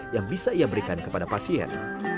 yang bisa ia berikan kepada pasien